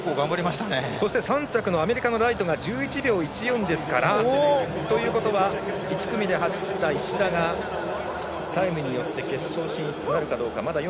３着のアメリカのライトが１１秒１４ですからということは１組で走った石田がタイムによって決勝進出なるかどうか。